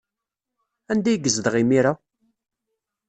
Anda ay yezdeɣ imir-a?